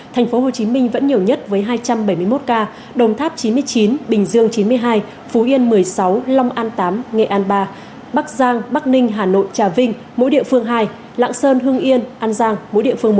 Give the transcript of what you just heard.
thành phố hồ chí minh vẫn nhiều nhất với hai trăm bảy mươi một ca đồng tháp chín mươi chín bình dương chín mươi hai phú yên một mươi sáu long an tám nghệ an ba bắc giang bắc ninh hà nội trà vinh mỗi địa phương hai lạng sơn hương yên an giang mỗi địa phương một